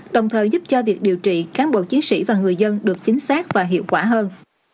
đồng thời giúp cho việc điều trị cán bộ chiến sĩ và người dân được chính xác và hiệu quả hơn